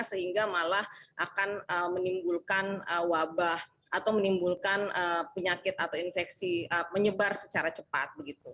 sehingga malah akan menimbulkan wabah atau menimbulkan penyakit atau infeksi menyebar secara cepat